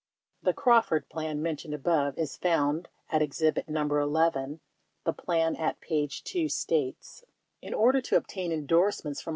The "Crawford Plan" mentioned above is found at exhibit No. II. 51 The plan, at p. 2, states : In order to obtain endorsements from